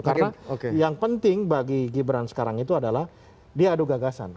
karena yang penting bagi gibran sekarang itu adalah dia ada gagasan